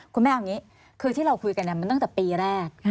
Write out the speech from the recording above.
คุณแม่เอาอย่างนี้คือที่เราคุยกันมันตั้งแต่ปีแรก